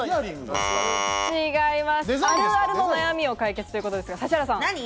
あるあるの悩みを解決ということですが。